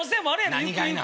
何がいな。